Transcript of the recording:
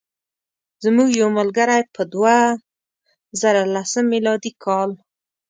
زموږ یو ملګری په دوه زره لسم میلادي کال.